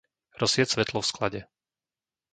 Rozsvieť svetlo v sklade.